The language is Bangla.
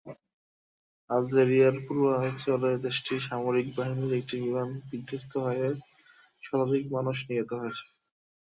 আলজেরিয়ার পূর্বাঞ্চলে দেশটির সামরিক বাহিনীর একটি বিমান বিধ্বস্ত হয়ে শতাধিক মানুষ নিহত হয়েছে।